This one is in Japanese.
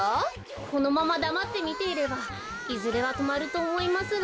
このままだまってみていればいずれはとまるとおもいますが。